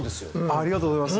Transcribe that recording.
ありがとうございます。